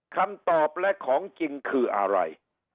คำตอบและของจริงคืออะไร